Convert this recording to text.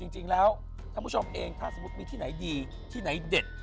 จริงแล้วท่านผู้ชมเองถ้าสมมุติมีที่ไหนดีที่ไหนเด็ด